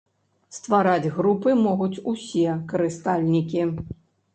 Ствараць групы могуць усе карыстальнікі.